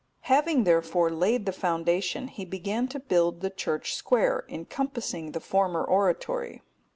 (234) Having, therefore, laid the foundation, he began to build the church square, encompassing the former oratory.